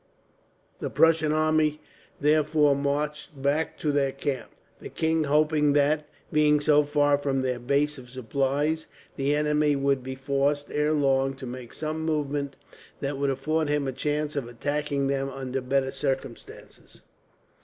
The Prussian army therefore marched back to their camp, the king hoping that, being so far from their base of supplies, the enemy would be forced ere long to make some movement that would afford him a chance of attacking them under better circumstances.